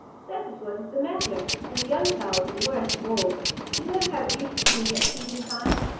That is what is the matter, and the young fowls are the worst of all. You know how it used to be at feeding time?